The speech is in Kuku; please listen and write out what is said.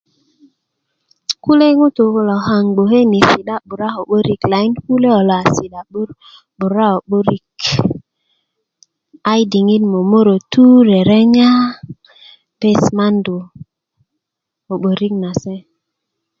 kule ŋutu kulo kaaŋ gboke ni si'da 'bura lakin kule kulo a si'da 'bura ko 'börik ayi diŋit mömörötu ko 'börik rerenya bes mandu ko 'börik na se